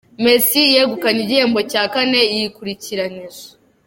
Mesi yegukanye igihembo cya kane yikurikiranyije